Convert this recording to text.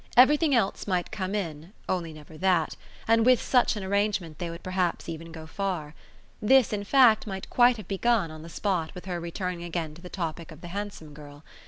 Everything else might come in only never that; and with such an arrangement they would perhaps even go far. This in fact might quite have begun, on the spot, with her returning again to the topic of the handsome girl.